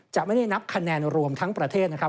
จะไม่ได้นับคะแนนรวมทั้งประเทศนะครับ